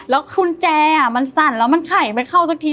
แล้วกุญแจมันสั่นแล้วมันไขไม่เข้าสักที